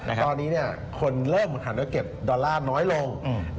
ถูกต้องครับตอนนี้คนเลขของธันเก็บดอลลาร์น้อยลง